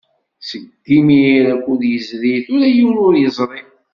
Seg imir akud yezri, tura yiwen ur yeẓri.